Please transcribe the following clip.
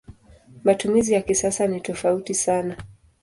Matumizi ya kisasa ni tofauti sana.